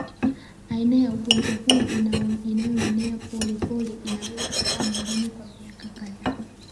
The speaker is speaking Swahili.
Aina ya ugonjwa huu inayoenea polepole inaweza kukaa mwilini kwa miaka kadhaa